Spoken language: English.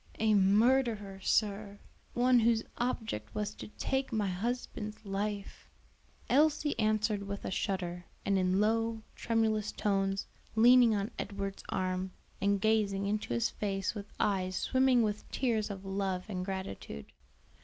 "A murderer, sir; one whose object was to take my husband's life," Elsie answered with a shudder, and in low, tremulous tones, leaning on Edward's arm and gazing into his face with eyes swimming with tears of love and gratitude.